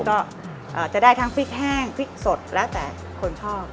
ก็จะได้ทั้งพริกแห้งพริกสดแล้วแต่คนชอบ